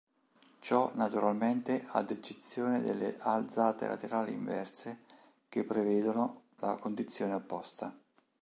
Ciò naturalmente ad eccezione delle "alzate laterali inverse" che prevedono la condizione opposta.